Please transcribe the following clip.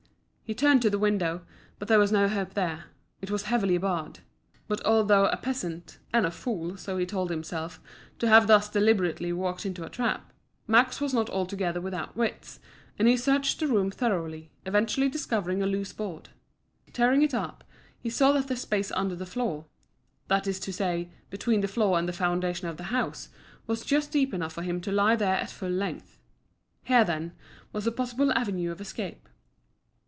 He turned to the window, but there was no hope there it was heavily barred. But although a peasant and a fool, so he told himself, to have thus deliberately walked into a trap Max was not altogether without wits, and he searched the room thoroughly, eventually discovering a loose board. Tearing it up, he saw that the space under the floor that is to say, between the floor and the foundation of the house was just deep enough for him to lie there at full length. Here, then, was a possible avenue of escape.